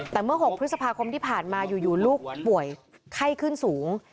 แต่เมื่อ๖พฤษภาคมที่ผ่านมาอยู่ลูกป่วยไข้ขึ้นสูง